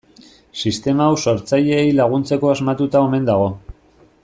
Sistema hau sortzaileei laguntzeko asmatuta omen dago.